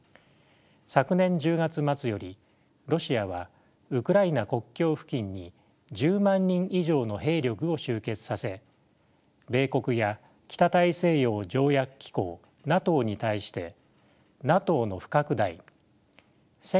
昨年１０月末よりロシアはウクライナ国境付近に１０万人以上の兵力を集結させ米国や北大西洋条約機構ＮＡＴＯに対してＮＡＴＯの不拡大